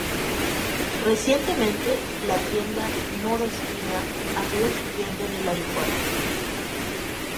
Recientemente, la tienda "Moda esquina", abrió su tienda en el aeropuerto.